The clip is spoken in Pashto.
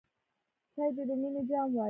چای ته د مینې جام وایم.